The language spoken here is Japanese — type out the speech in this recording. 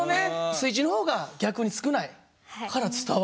水中の方が逆に少ないから伝わる。